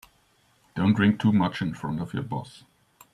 Don't drink too much in front of your boss.